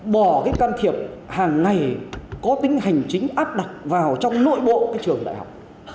bỏ cái can thiệp hàng ngày có tính hành chính áp đặt vào trong nội bộ trường đại học